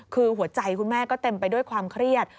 คือหัวใจคุณแม่ก็เต็มไปด้วยความเครียด